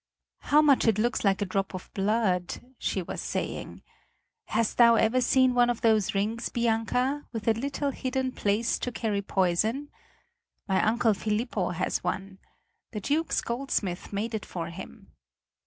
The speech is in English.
"How much it looks like a drop of blood," she was saying. "Hast thou ever seen one of those rings, Bianca, with a little hidden place to carry poison? My uncle Filippo has one. The Duke's goldsmith made it for him."